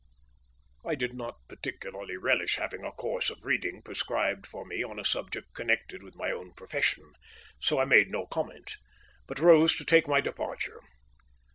I did not particularly relish having a course of reading prescribed for me on a subject connected with my own profession, so I made no comment, but rose to take my departure.